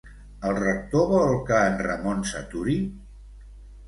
El Rector vol que en Ramon s'aturi?